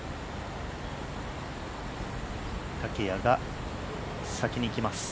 竹谷が先にいきます。